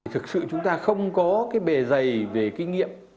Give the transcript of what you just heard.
thực sự chúng ta không có cái bề dày về kinh nghiệm